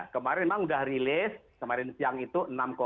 kemarin memang sudah rilis kemarin siang itu enam tujuh